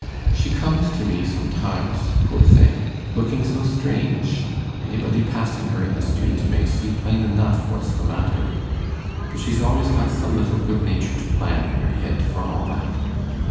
She comes to me sometimes, poor thing, looking so strange, anybody passing her in the street may see plain enough what's the matter; but she's always got some little good natured plan in her head for all that.